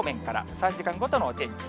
３時間ごとのお天気。